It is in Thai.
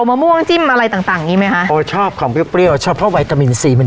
มะม่วงจิ้มอะไรต่างอย่างนี้ไหมคะ